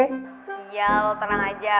iya lo tenang aja